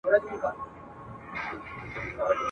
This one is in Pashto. موږ به ولي د قصاب چړې ته تللای ..